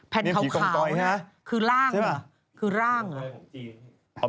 แผ่นขาวนี่ครับใช่ไหมครับคือร่างเหรอคือร่างเหรอพี่กองกอยของจีน